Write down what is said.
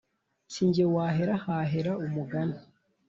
Sinjye wahera hahera umugani